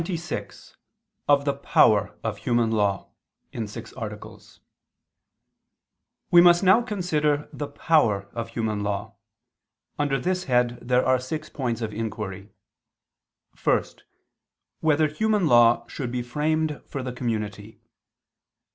________________________ QUESTION 96 OF THE POWER OF HUMAN LAW (In Six Articles) We must now consider the power of human law. Under this head there are six points of inquiry: (1) Whether human law should be framed for the community?